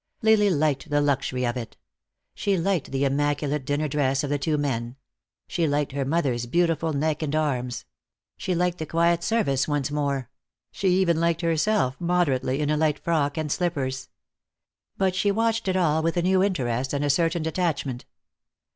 Lily liked the luxury of it. She liked the immaculate dinner dress of the two men; she liked her mother's beautiful neck and arms; she liked the quiet service once more; she even liked herself, moderately, in a light frock and slippers. But she watched it all with a new interest and a certain detachment.